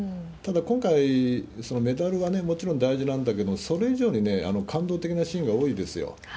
ただ、今回、そのメダルはもちろん大事なんだけれども、それ以上に、感動的なシーンが多いですよ。